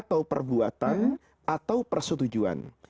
atau perbuatan atau persetujuan